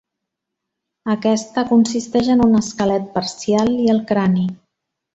Aquest consisteix en un esquelet parcial i el crani.